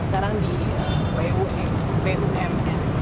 sekarang di bumn